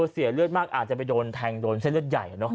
เสียเลือดมากอาจจะไปโดนแทงโดนเส้นเลือดใหญ่